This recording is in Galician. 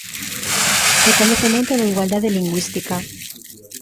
Recoñecemento da igualdade lingüística.